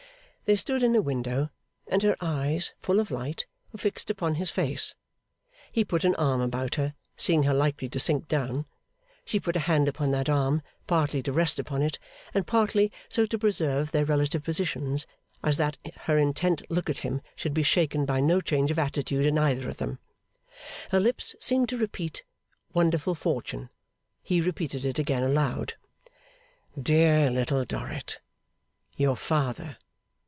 They stood in a window, and her eyes, full of light, were fixed upon his face. He put an arm about her, seeing her likely to sink down. She put a hand upon that arm, partly to rest upon it, and partly so to preserve their relative positions as that her intent look at him should be shaken by no change of attitude in either of them. Her lips seemed to repeat 'Wonderful fortune?' He repeated it again, aloud. 'Dear Little Dorrit! Your father.